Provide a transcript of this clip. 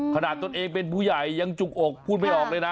ตนเองเป็นผู้ใหญ่ยังจุกอกพูดไม่ออกเลยนะ